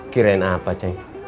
kirain apa ceng